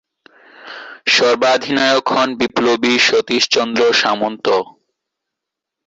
সর্বাধিনায়ক হন বিপ্লবী সতীশচন্দ্র সামন্ত।